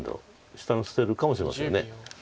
下の捨てるかもしれません。